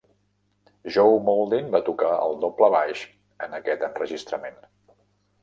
Joe Mauldin va tocar el doble baix en aquest enregistrament.